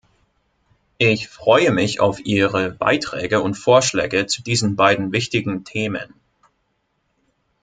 Ich freue mich auf Ihre Beiträge und Vorschläge zu diesen beiden wichtigen Themen.